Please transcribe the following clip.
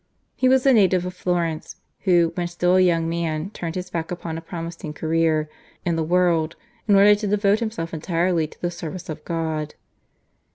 He was a native of Florence, who when still a young man turned his back upon a promising career in the world in order to devote himself entirely to the service of God.